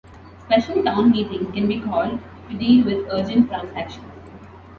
Special Town Meetings can be called to deal with urgent transactions.